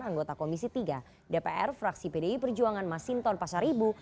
anggota komisi tiga dpr fraksi pdi perjuangan masinton pasar ibu